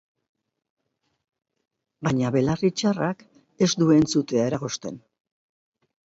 Baina belarri txarrak ez du entzutea eragozten.